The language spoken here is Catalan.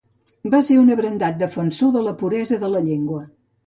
Va ser un abrandat defensor de la puresa de la llengua.